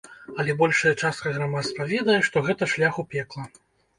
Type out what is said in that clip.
Але большая частка грамадства ведае, што гэта шлях у пекла.